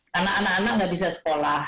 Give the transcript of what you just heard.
karena anak anak nggak bisa sekolah